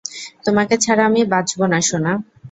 তোমাকে ছাড়া আমি বাঁচব না সোনা।